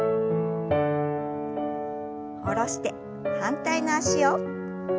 下ろして反対の脚を。